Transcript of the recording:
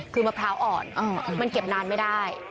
คือมะพร้าวอ่อนมันเก็บนานไม่ได้